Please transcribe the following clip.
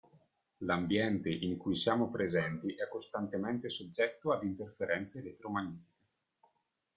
L'ambiente in cui siamo presenti è costantemente soggetto ad interferenze elettromagnetiche.